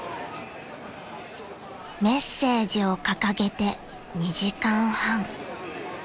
［メッセージを掲げて２時間半］